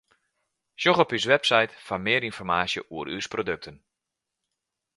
Sjoch op ús website foar mear ynformaasje oer ús produkten.